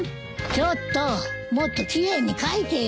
ちょっともっと奇麗に描いてよ！